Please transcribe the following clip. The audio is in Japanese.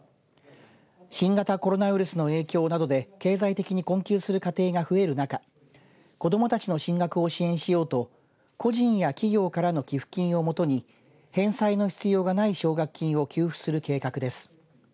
新型コロナウイルスの影響などで経済的に困窮する家庭が増える中、子どもたちの進学を支援しようと個人や企業からの寄付金をもとに返済の必要がない奨学金を給付する計画です。